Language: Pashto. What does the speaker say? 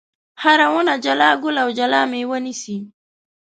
هره ونه جلا ګل او جلا مېوه نیسي.